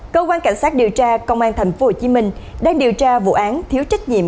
cơ quan cảnh sát điều tra công an tp hcm đang điều tra vụ án thiếu trách nhiệm